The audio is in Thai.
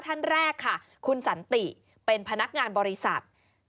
ท่านแรกค่ะคุณสันติเป็นพนักงานบริษัท